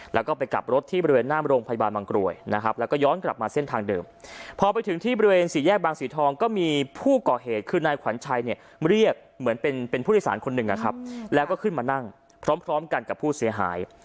แล้วก็ไปกลับรถที่บริเวณหน้าโรงพยาบาลบางกรวยนะครับแล้วก็ย้อนกลับมาเส้นทางเดิมพอไปถึงที่บริเวณสี่แยกบางสีทองก็มีผู้ก่อเหตุคือนายขวัญชัยเนี่ยเรียกเหมือนเป็นผู้โดยสารคนหนึ่งนะครับแล้วก็ขึ้นมานั่งพร้อมกันกับผู้เสียหาย